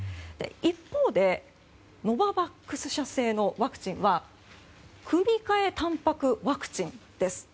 一方でノババックス社製のワクチンは組換えタンパクワクチンです。